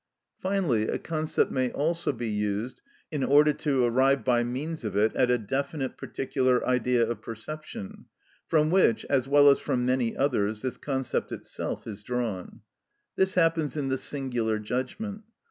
Finally, a concept may also be used in order to arrive by means of it at a definite particular idea of perception, from which, as well as from many others, this concept itself is drawn; this happens in the singular judgment.